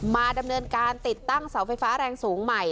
มาดำเนินการติดตั้งเสาไฟฟ้าแรงสูงใหม่